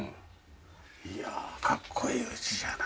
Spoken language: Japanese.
いやかっこいい家じゃない。